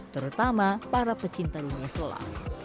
terutama para pecinta dunia selam